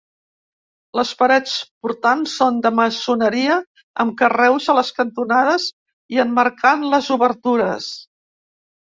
Les parets portants són de maçoneria, amb carreus a les cantonades i emmarcant les obertures.